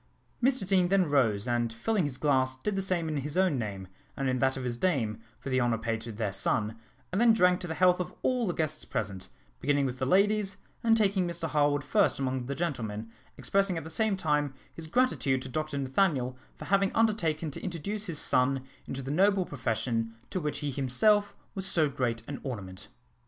Mr Deane then rose, and filling his glass, did the same in his own name, and in that of his dame, for the honour paid to their son, and then drank to the health of all the guests present, beginning with the ladies, and taking Mr Harwood first among the gentlemen, expressing at the same time his gratitude to Dr Nathaniel for having undertaken to introduce his son into the noble profession to which he himself was so great an ornament.